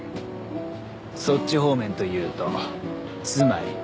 そっち方面というとつまり？